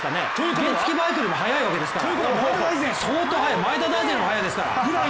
原付きバイクよりも速いわけですから前田大然よりも速いですから。